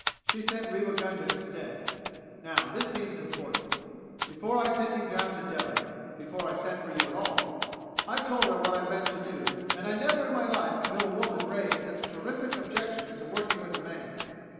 She sent Rewa Gunga instead. Now, this seems important: "Before I sent you down to Delhi before I sent for you at all I told her what I meant to do, and I never in my life knew a woman raise such terrific objections to working with a man.